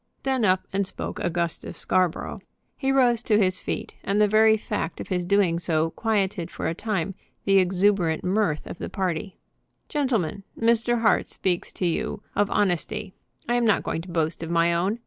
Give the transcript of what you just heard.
Then up and spoke Augustus Scarborough. He rose to his feet, and the very fact of his doing so quieted for a time the exuberant mirth of the party. "Gentlemen, Mr. Hart speaks to you of honesty. I am not going to boast of my own.